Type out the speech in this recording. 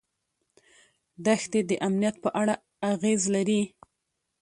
دښتې د امنیت په اړه اغېز لري.